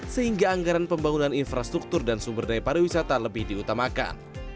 sehingga anggaran pembangunan infrastruktur dan sumber daya pariwisata lebih diutamakan